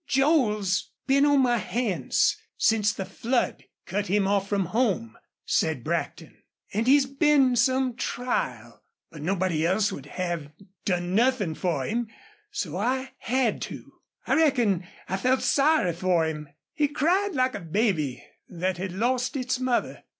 "Joel's been on my hands since the flood cut him off from home," said Brackton. "An' he's been some trial. But nobody else would have done nothin' for him, so I had to. I reckon I felt sorry for him. He cried like a baby thet had lost its mother.